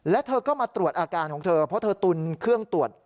และเธอก็มาตรวจอาการของเธอเพราะเธอตุนเครื่องตรวจ